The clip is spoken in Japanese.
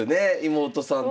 妹さんと。